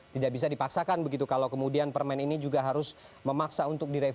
tidak bisa dipaksakan begitu kalau kemudian permen ini juga harus memaksa untuk direvisi